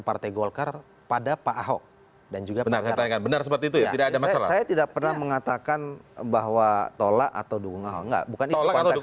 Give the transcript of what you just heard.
berbeda loh tadi